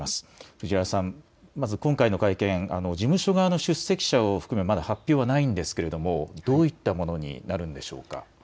藤原さん、まず今回の会見、事務所側の出席者を含め、まだ発表はないんですけれども、どういったものになるんでしょう